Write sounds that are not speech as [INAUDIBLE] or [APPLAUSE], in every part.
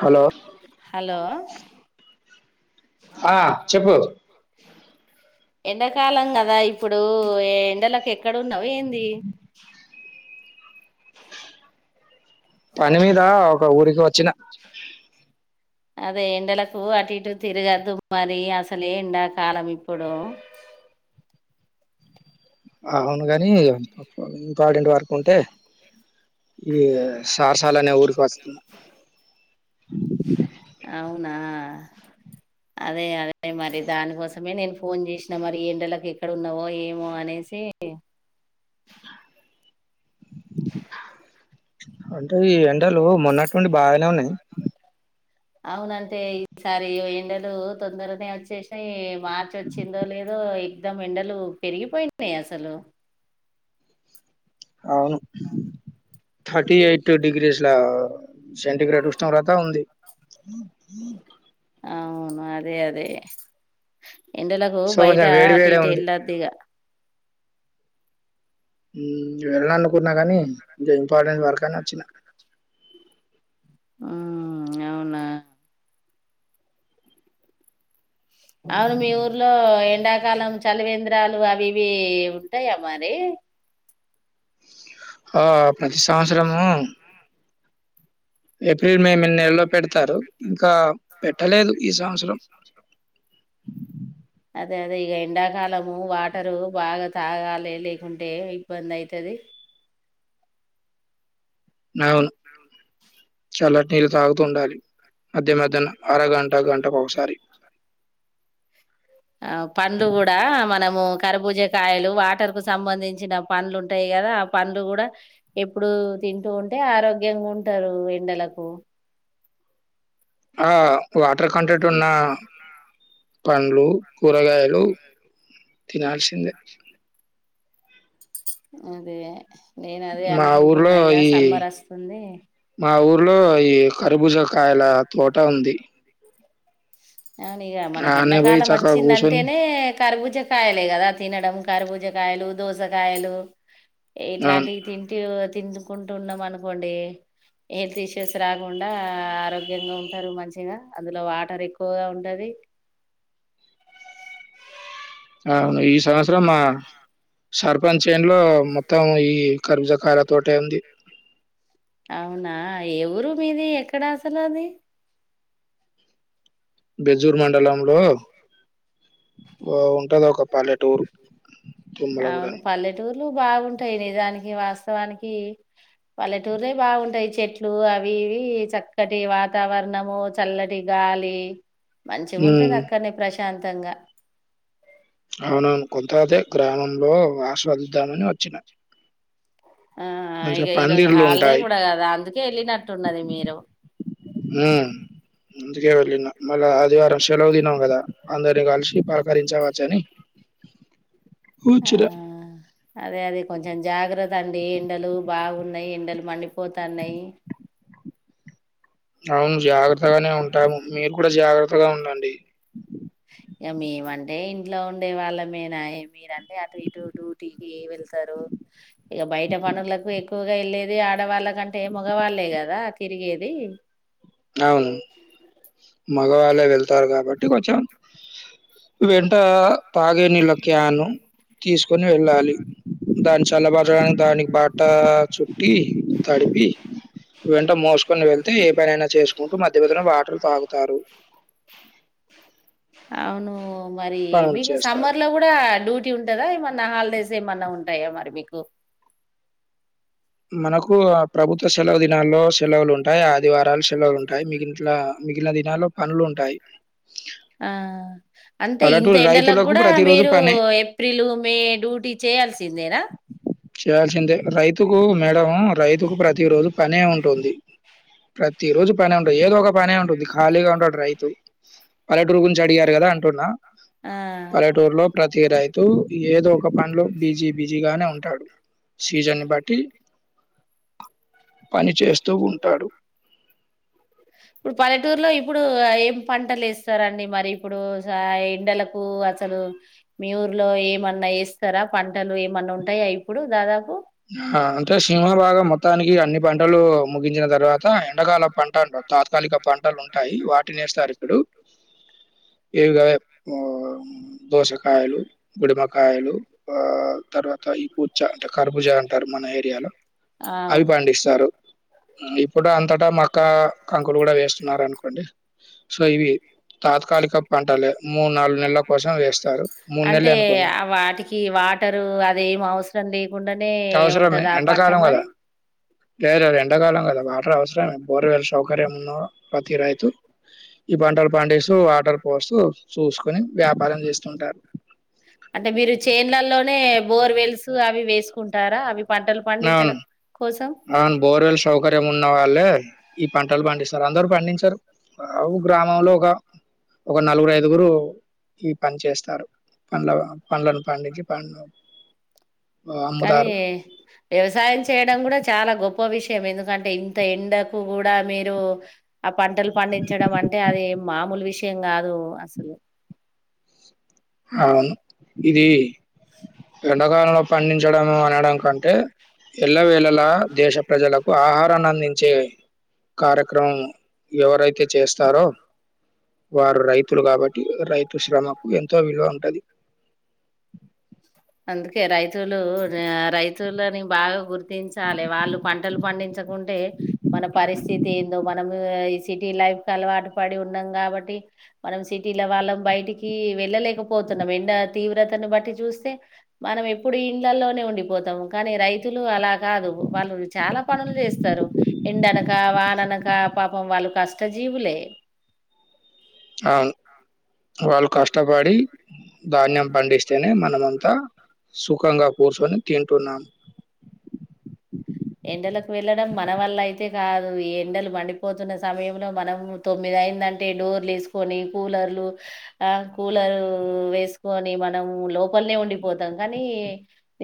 Hello hello ఆ చెప్పు చెప్ప ఎండాకాలం కదా ఇప్పుడు ఎండలకు ఎక్కడ ఉన్నావు ఏంది పని మీద ఒక ఊరికి వచ్చిన అదే ఎండలకు అటు ఇటు తిరగదు మరి అసలేండాకాలం ఇప్పుడు అవునుగాని ఎంత ఇంపాటింటి వరకు ఉంటే ఈ సారసాలనే ఊరికి వస్తున్నా అవునా అదే అదే మరి దానికోసమే నేను ఫోన్ చేసిన మరి ఎండకి ఎక్కడ ఉన్నావో ఏమో అనే స అంటే ఈ ఎంటలు మొన్నటువండి బాగానే ఉన్నాయి అవునంటే ఈసారి ఎండలు తొందరనే వచ్చేసి మార్చ వచ్చిందో లేదో ఎదం ఎండలు పెరిగిపోయినాయి అసలు అవును థర్టీ ఎయిట్ డిగ్రీస్లా సెంటిగ్రేడ్ ఉష్ణ్రత ఉంది అవును అదే అదే ఎండలకు సో బయట కొంచెం వేడి అటు వేడే ఇటు ఉంది యెళ్ళొదిగా ఉమ్ యెళ్ళాల అనుకున్నా గానీ ఇంకా ఇంపార్టెంట్ వర్క్ అని వచ్చిన [INAUDIBLE] ఉమ్ అవునా అవును మీ ఊర్లో ఎండాకాలం చలివేంద్రాలు అవి ఇవి ఉంటాయా మరి ఆ ప్రతి సంవత్సరము ఏప్రిల్ మే మ నెలలో పెడతారు ఇంకా పెట్టలేదు ఈ సంవత్సరం అదే అదే ఇగ ఎండాకాలము వాటరు బాగా తాగాలి లేకుంటే ఇబ్బంది అయితది అవును చల్లటి నీళ్ళు తాగుతు ఉండాలి మధ్య మధ్యన అరగంట గంటకు ఒకసారి [INAUDIBLE] ఆ పండ్లు గూడా మనము కరుబూజ కాయలు వాటర్ కు సంబంధించిన పండ్లు ఉంటాయి గదా గదా ఆ పండ్లు గూడా ఎప్పుడు తింటూ ఉంటే ఆరోగ్యంగా ఉంటరు ఎండలకు ఆ వాటర్ కంటెంట్ ఉన్నా పండ్లు కూరగాయలు తినాల్సిందే అదే నేన్ అదే మా ఊర్లో అనుకుంటున్నా ఇగ ఈ సమ్మర్ వస్తుంది మా ఊర్లో ఈ కరుబూజ కాయల తోట ఉంది అవును ఇగ మనకి ఆనే పోయి ఎండాకాలం చక్కగా కూర్చొని వచ్చిందంటేనే కరుబూజ కాయాలే గదా తినడం కరుబూజ కాయలు దోసకాయలు అవును ఇట్లాంటివి తి తినుకుంటా ఉన్నాం అనుకోండి హెల్త్ ఇష్యూస్ రాకుండా ఆరోగ్యంగా ఉంటారు మంచిగా అందులో వాటర్ ఎక్ ఎక్కువ ఉంటది అవును ఈ సంవత్సరం మా సర్పంచ్ చేన్ లో మొత్తం ఈ కరుబూజ కాయ అవునా ఏ వూరు మీది ఎక్కడ అసలు అది బెజ్జూర్ మండలంలో ఉంటది ఒక పల్లెటూరు తుమ్మలగూడ అవును అని పల్లెటూర్లు బాగుంటాయి నిజానికి వాస్తవానికి పల్లెటూర్లే బాగుంటాయి చెట్లు అవి ఇవి చక్కటి వాతావరణము చల్లటి గాలి గాలి మంచిగుంటది ఉమ్, అక్కడనే ప్రశాంతంగా అవునవును కొంత దే గ్రామంలో ఆస్వాదిద్దామని వచ్చిన ఆ ఇగ మంచిగా ఈరోజు పందిర్లు హాలిడే ఉంటాయి గూడా గదా అందుకే వెళ్ళినట్టున్నది మీరు ఉమ్ అందుకే వెళ్ళిన మళ్ళా ఆదివారం సెలవు దినం గదా అందరిని గల్సి పలకరించవచ్చని ఆ కూచ్చున్న అదే అదే కొంచెం జాగ్రత్త అండి ఎండలు బాగున్నాయి ఎండలు మండిపోతున్నాయి అవును జాగ్రత్తగానే ఉంటాను మీరు గూడా జాగ్రత్తగా ఉండండి [INAUDIBLE] ఇగ మేమంటే ఇంట్లో ఉండే వాళ్ళమేనాయే మీరంటే అటు ఇటు డ్యూటీకి వెళ్తరు ఇగ బయట పనులకు ఎక్కువగా యెళ్ళేది ఆడవాళ్ళకంటే మగవాళ్ళే గదా తిరిగేది [INAUDIBLE] అవును మగవాళ్ళే వెళ్తారు గాబట్టి కొంచెం వెంట తాగే నీళ్ళ క్యాన్ తీసుకొని వెళ్ళాలి దాని చల్లబరచడానికి దానికి బట్ట చుట్టి తడిపి వెంట మోస్ కొని వెళ్తే ఏ పనైనా చేసుకుంటూ మధ్యమధ్యన వాటర్ తాగుతారు ఉమ్ మరి పనులు మీకు చేస్తారు. సమ్మర్ లో గూడా డ్యూటీ ఉంటదా ఏమన్నా హాలిడేస్ ఏమన్నా ఉం టయా మరి మీకు మనకు ప్రభుత్వ సెలవు దినాల్లో సెలవులు ఉంటాయి ఆదివారాలు సెలవులు ఉంటాయి మీకు ఇంట్లా మిగిలిన దినాలలో పనులు ఉంటాయి అంటే ఇంత పల్లెటూరు ఎండలకు రైతులకు గూడా ప్రతిరోజు మీరు పనే. ఏప్రిల్ మే డ్యూటీ చేయాల్సిందేనా చేయాల్సిందే రైతుకు మేడం రైతుకు ప్రతి రోజు పనే ఉంటుంది ప్రతి రోజు పనే ఉంటుంది ఏదో ఒక పనే ఉంటుంది ఖాళీగా ఉండడు రైతు పల్లెటూరు గురించి అడిగారు గదా అ టున్న ఆ పల్లెటూరులో ప్రతి రై తు ఏదో ఒక పనిలో బిజీ బిజీగానే ఉంటాడు సీజన్ బట్టి పని చేస్తూ ఉంటాడు ఇప్పుడు పల్లెటూరులో ఇప్పుడు ఏం పంటలు వేస్తారండి మరి ఇప్పుడు స ఎండలకు అసలు మీ ఊర్లో ఏమన్నా యేస్తారా పంటలు ఏమన్నా ఉంటాయా ఇప్పుడు దాదాపు అంటే సున్నా భాగం మొత్తానికి అన్ని పంటలు ముగించిన తర్వాత ఎడాకాల పంట అంటారు తాత్కాలిక పంటలు ఉంటాయి వాటిని ఏస్తారు ఇప్పుడు ఏవిగావే ఆ దోసకాయలు గుడిమకాయలు ఆ తర్వ త ఈ పూచ అంటే కర్బుజ అంటారు మన ఏరియాలో అవి అవును పండిస్తారు ఇప్పుడు అంతటా మక్క కంకులు కూడా వేస్తున్నారు అనుకోండి సో ఇవి తాత్కాలిక పంటాల మ్మ్ అంటే నెల్లే అనుకోండి. ఆ వాటికి వాటరు అదేం అవసరం లేకుండా నే అవసరమే ఉంటదా ఆ పంట ఎండాకాలం మరి గదా! లేదు అది ఎండకాలం కదా వాటర్ అవసరమే బోర్వేల్ సౌకర్యం ఉన్నా ప్రతి రైతు ఈ పంటలు పండిస్తూ వాటర్ పోస్తూ చూసుకొని వ్యాపారం చేస్తుంటారు అంటే మీరు చేన్లలోనే బోర్వెల్స్ అవి వేసుకుంటారా అవి పంటలు అవును పండించడం కోస్ అవును బోర్వల్ సౌకర్యం ఉన్న వాళ్ళే ఈ పంటలు పండిస్తారు అందరు పండిచరు గ్రామంలో ఒక ఒక నలుగురు ఐదుగురు ఈ పని చేస్తారు పండ్ల పండ్లను పండించి పంను కానీ వ్యవసాయం చేయడం కూడా చాలా గొప్ ప్ప విషయం ఎందుకంటే ఇంత ఎండకు కూడా మీరు ఆ పంటలు పండించడం అంటే అది మామూలు విషయం కాదు అసలు అవును ఇది ఎండాకాలంలో పండించడము చాడం కంటే ఎళ్లవేళలా దేశ ప్రజలకు ఆహారాన్ని అందించే కార్యక్రమం ఎవరైతే చేస్తారో వారు రైతులు కాబట్టి రైతు శ్రమకు ఎంత తో విలువా ఉంటది అందుకే రైతులు ఆ రైతులని బాగా గుర్తించాలి వాళ్ళు పంటలు పండించ చకుంటే మన పరిస్థితి ఏందో మనం ఈ సిటీ లైఫ్ అలవాటు పడి ఉన్నాం కాబట్టి మనం సిటీల వాళ్ళం బయటికి వెళ్ళలేకపోతున్నాం ఎండ తీవ్రతను బట్టి చూస్తే మనం ఎప్పుడు ఇండ్లలోనే ఉండిపోతాము కానీ రైతులు అలా కాదు వాళ్ళు చాలా పనులు చేస్ స్తారు ఎండనక వాననక పాపం వాళ్ళు కష్ట జీవులే ఆవును వాళ్ళు కష్టపడి ధాన్యం పండిస్తేనే మనమ అంతా సుఖంగా కూర్చొని తింటున్నాము [INAUDIBLE] ఎండలకు వెళ్ళడం మన వల్ల అయితే కాదు ఈ ఎండలు మండిపోతున్న సమయంలో మనం తొమ్మిది ది అయ్యిందంటే డోర్లు వేసుకొని కూలర్లు ఆ కూలరు వేసుకొని మనం లోపలనే ఉండిపోతాం కానీ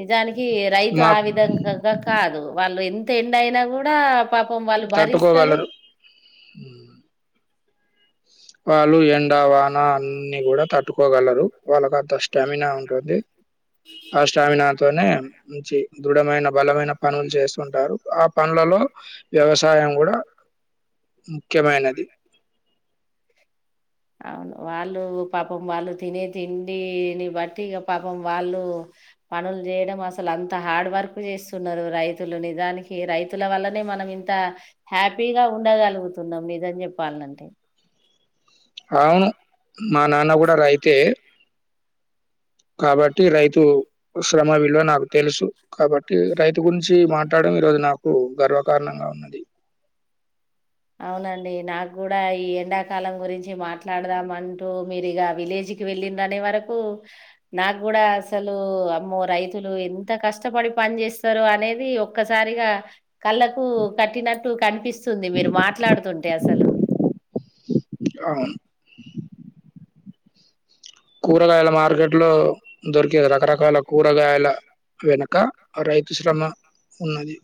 నిజానికి కి రైతు ఆ మాకు విధంగాగా కాదు వాళ్ళు ఎంత ఎండ అయినా కూడా పాపం వాళ్ళు భరిస్తారు మ్మ్ వాళ్ళు ఎండ వాన అన్ని కూడా తట్టుకోగలరు వాళ్ళక అంత స్టామినా ఉంటుంది ఆ స్టామినా తోనే మంచి దృఢమైన బలమైన పనులు చేస్తుంటారు ఆ పనులలో వ్యవసాయం కూడా ముఖ్యమైనది అవును వాళ్ళు పాపం వాళ్ళు తినే తిండిని బట్టి ఇగ పాపం వాళ్ళు పనులు చేయడం అసలు అంత హార్డ్ వర్క్ చేస్తున్నారు రైతులు నిజానికి రైతుల వల్లనే మనం ఇంత హ్యాపీగా ఉండగలుగుతున్నాం నిజం చెప్పాలంటే అవును మా నాన్న కూడా రైతే కాబట్టి రైతు శ్రమ విలువ నాకు తెలుసు కాబట్టి రైతు గురించి మాట మాట్లాడడం ఈ రోజు నాకు గర్వకారణంగా ఉన్నది అవునండి నాకు కూడా ఈ ఎండాకాలం గురించి మాట్లాడదాం అంటూ మీరు ఇగ విలేజ్ వెళ్ళరు అనే వరకు నాకు కూడా అసలు అమ్మో రైతులు ఎంత కష్టపడి పని చేేస్తారు అనేది ఒక్కసారిగా కళ్ళకు కట్టినట్టు కనిపిస్తుంది మీరు మాట కొంటే అసలు అవును కూరగాయల మార్కెట్ లో దొరికేది రకరకాల కూరగాయల వెనుక ఆ రైతు శ్రమ ఉన్నది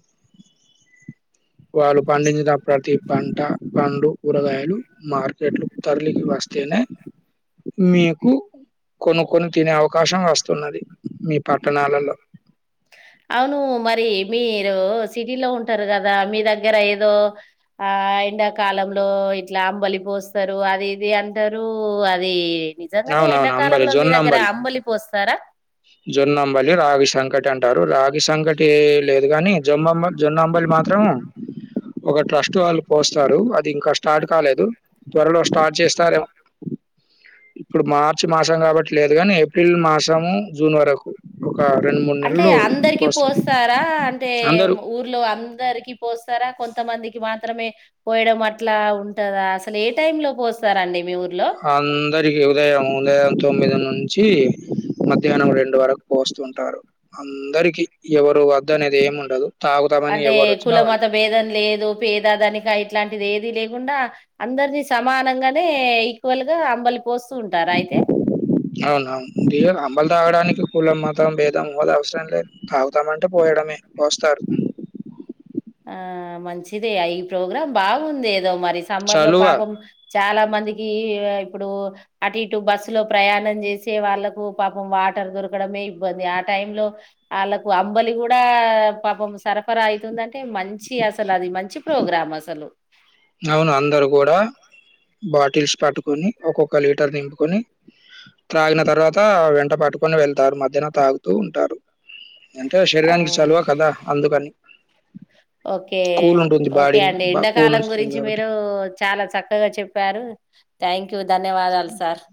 [INAUDIBLE] వాళ్ళు పండించిన ప్రతి పంట పండ్లు కూరగాయలు మార్కెట్లు తరలికి వస్తేనే మీ కు కొనుక్కొని తినే అవ అవకాశం వస్తున్నది మీ పట్టణాలలో అవును. మరి మీరు సిటీ లో ఉంటారు కదా మీ దగ్గర ఏదో ఆ ఎండాకాలాం లో ఇట్లా అంబలి పోస్తారు అది ఇది అంటారు అది నిజంగానే అవునవును అంబలి ఎండాకాలంలో మీ జొన్న దగ్గర అంబలి పోస్తారా? జొన్న అంబలి రాగి సంకటి అంటారు రాగి సంకటి లేదు గాని జో మమ్మ జొన్న అంబలి మాత్రం ఒక ట్రస్ట్ వాళ్ళు పోస్తారు అది ఇంకా స్టార్ట్ కాలేదు త్వరలో స్టార్ట్ చేస్తారేమో ఇప్పుడు మార్చి మాసం కాబట్టి లేదు కానీ ఏప్రిల్ మాసము జూన్ వరకు ఒక రెండు మూడు అంటే నెలలు అందరికి కోస్తారు పోస్తారా అంటే అందరూ ఊర్లో అందరికి పోస్తారా కొంత కొంతమందికి మాత్రమే పోయడం అట్లా ఉంటదా అసలు ఏ టైమ్ లో పోస్తారండి మీ ఊ అందరికి ఉదయం లే ఉదయం తొమ్మిది నుంచి మధ్యాహ్నం రెండు వరకు పోస్తూ ఉంటారు అందరికి ఎవరు వద్ద అనేది ఏమి ఉండదు తాగుతామని అంటే ఎవరు వచ్చినా కుల వాళ్ళు మాత భేదం లేదు పేద ధనిక ఇట్లాంటిది ఏది లేకుండా అందరినీ సమానంగానే ఈక్వల్ గా అంబలి పోస్తూ ఉంటారు అయితే అవునా అవును రీయిల్ అంబాలి తాగడానికి కులం మతం భేదం ఎవ్వల్ అవసరం లేదు తాగుతామంటే పోయడమే పోస్తారు ఆ మంచిదే ఈ ప్రోగ్రాం బాగుంది ఏదో మరి సమ్మర్ లో చలువ పాపం చాలా మందికి ఇప్పుడు అటు ఇటు బస్సు లో ప్రయాణం చేసి వాళ్ళలకు పాపం వాటర్ దొర కడమే ఇబ్బంది ఆ టైం లో వాళ్ళకు అంబలి కూడా పాపం సరఫరా అయితుంది అంటే మంచి అసలు అది మంచి ప్రోగ్రాం అసలు అవును అందరు కూడా బాటిల్స్ పట్టుకొని ఒక్కొక్క లీటర్ నింపుకొని త్రాగిన తరువాత వెంట పట్టుకొని వెళ్తారు మధ్యహన తాగుతూ ఉంటారు అంటే శరీరానికి చలవ కదా అందుకని ఓకే కూల్ ఉంటుంది ఓకే బాడీని అండి బా కూల్ ఎండాకాలం గురిం ఉంచుతుంది రించి కాబట్టి. మీరు చాలా చక్కగా చెప్పారు థ్యాంక్ యూ ధన్యవాదాలు సార్